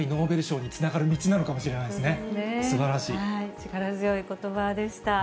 力強いことばでした。